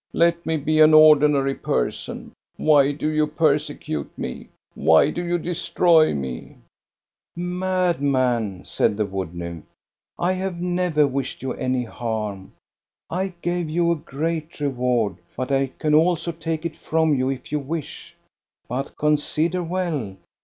Let me be an ordinary person ! Why do you persecute me ? Why do you destroy me ?" "Madman," said the wood nymph, "I have never wished you any harm. I gave you a great reward ; but I can also take it from you if you wish. But consider well.